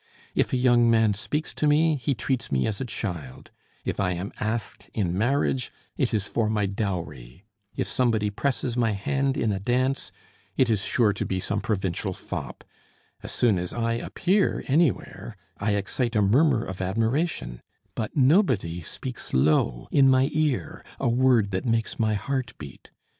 If a young man speaks to me he treats me as a child; if I am asked in marriage, it is for my dowry; if somebody presses my hand in a dance, it is sure to be some provincial fop; as soon as I appear anywhere, I excite a murmur of admiration; but nobody speaks low, in my ear, a word that makes my heart beat.